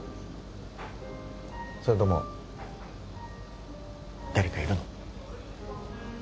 それとも誰かいるの？